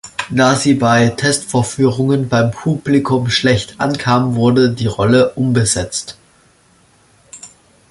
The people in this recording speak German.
Da sie bei Testvorführungen beim Publikum schlecht ankam, wurde die Rolle umbesetzt.